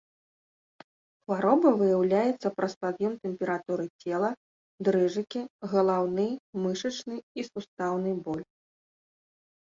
Хвароба выяўляецца праз пад'ём тэмпературы цела, дрыжыкі, галаўны, мышачны і сустаўны боль.